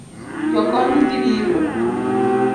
Jokony dhi biro